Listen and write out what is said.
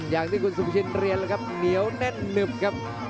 อย่างที่คุณสุภชินเรียนแล้วครับเหนียวแน่นหนึบครับ